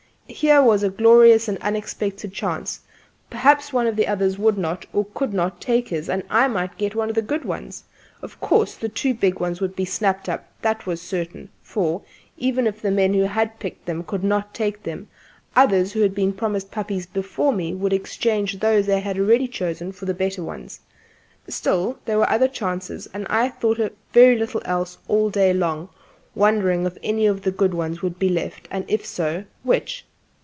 Here was a glorious and unexpected chance; perhaps one of the others would not or could not take his, and I might get one of the good ones. .. Of course the two big ones would be snapped up: that was certain; for, even if the men who had picked them could not take them, others who had been promised puppies before me would exchange those they had already chosen for the better ones. Still, there were other chances; and I thought of very little else all day long, wondering if any of the good ones would be left; and if so, which?